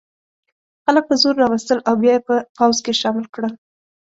خلک په زور را وستل او بیا یې په پوځ کې شامل کړل.